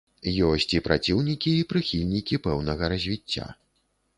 Ёсць і праціўнікі і прыхільнікі пэўнага развіцця.